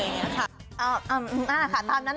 ไม่ได้กะเกณฑ์ไม่ได้กำหนดอะไรอย่างนี้ค่ะ